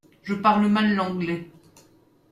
Je parle mal l’anglais.